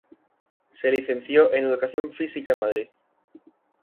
Se licenció en Educación Física en Madrid.